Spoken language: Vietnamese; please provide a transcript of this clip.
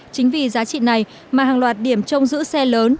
chính vì giá trị này mà hàng loạt điểm trông giữ xe lớn